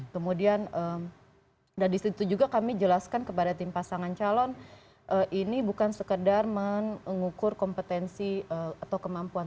kemudian dari situ juga kami jelaskan kepada tim pasangan calon ini bukan sekedar mengukur kompetensi atau kemampuan